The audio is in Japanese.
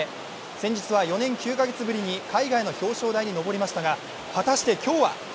先日は４年９か月ぶりに海外の表彰式に上りましたが果たして今日は。